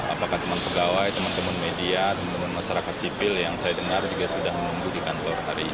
apakah teman pegawai teman teman media teman teman masyarakat sipil yang saya dengar juga sudah menunggu di kantor hari ini